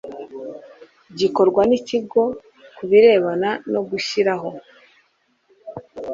gikorwa n ikigo ku birebana no gushyiraho